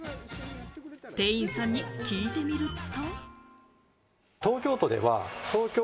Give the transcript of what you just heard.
店員さんに聞いてみると。